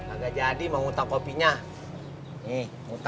agak jadi mau ngutang kopinya